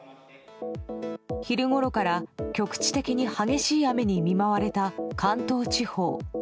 昼ごろから局地的に激しい雨に見舞われた関東地方。